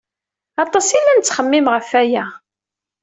Aṭas i la nettxemmim ɣef aya.